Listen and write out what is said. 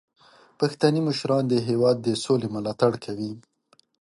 پښتني مشران د هیواد د سولې ملاتړ کوي.